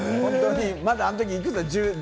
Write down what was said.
まだあのとき、いくつだ？